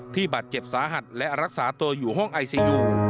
บาดเจ็บสาหัสและรักษาตัวอยู่ห้องไอซียู